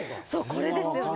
これですよね。